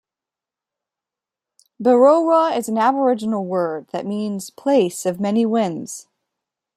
Berowra is an Aboriginal word that means "place of many winds".